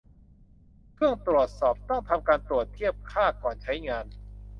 เครื่องตรวจสอบต้องทำการตรวจเทียบค่าก่อนใช้งาน